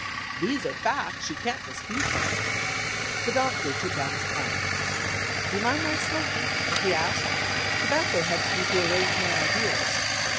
These are facts; you can't dispute them." The Doctor took out his pipe. "Do you mind my smoking?" he asked. "Tobacco helps me to arrange my ideas."